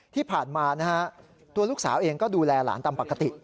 ที่ผ่านมานะฮะตัวลูกสาวเองก็ดูแลหลานตามปกติ